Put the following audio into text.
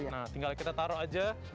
nah tinggal kita taruh aja